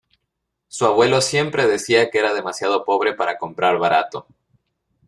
Su abuelo siempre decía que era demasiado pobre para comprar barato.